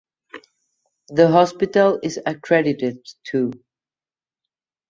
The hospital is accredited to